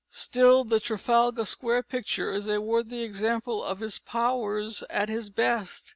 Still, the Trafalgar Square picture is a worthy example of his powers at his best.